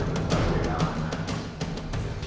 tim liputan cnn indonesia